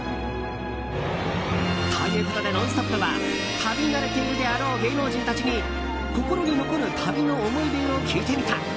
ということで「ノンストップ！」は旅慣れているであろう芸能人たちに心に残る旅の思い出を聞いてみた。